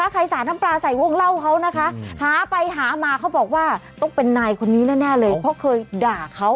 สาดน้ำปลาใส่วงเล่าเขานะคะหาไปหามาเขาบอกว่าต้องเป็นนายคนนี้แน่เลยเพราะเคยด่าเขา